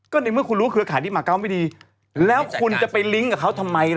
ก็ในเมื่อคุณรู้เครือข่ายที่มาเก้าไม่ดีแล้วคุณจะไปลิงก์กับเขาทำไมล่ะ